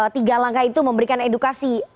tiga langkah itu memberikan edukasi